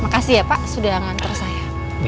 makasih ya pak sudah nganter saya